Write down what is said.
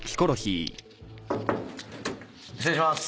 失礼します。